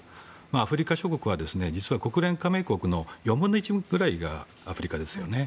アフリカ諸国は実は国連加盟国の４分の１ぐらいがアフリカですよね。